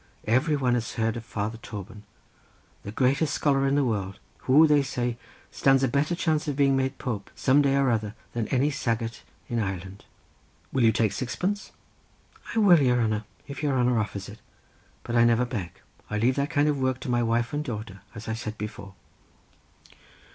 Everyone has heard of Father Toban; the greatest scholar in the world, who they say stands a better chance of being made Pope, some day or other, than any saggart in Ireland." "Will you take sixpence?" "I will, your hanner; if your hanner offers it; but I never beg; I leave that kind of work to my wife and daughter, as I said before."